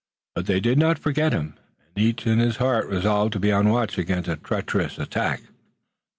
But they did not forget him, and each in his heart resolved to be on watch against treacherous attack.